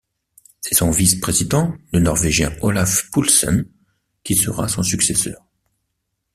C'est son vice-président, le norvégien Olaf Poulsen, qui sera son successeur.